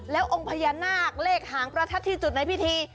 แล้วองค์พญานาคเลขหางประทัดที่จุดในพิธี